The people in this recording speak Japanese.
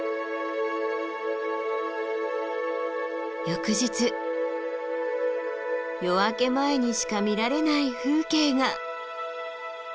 翌日夜明け前にしか見られない風景が。